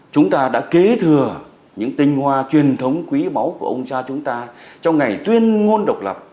chúng ta đã kế thừa những tinh hoa truyền thống quý báu của ông cha chúng ta trong ngày tuyên ngôn độc lập